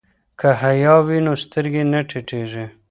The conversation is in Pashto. که حیا وي نو سترګې نه ټیټیږي.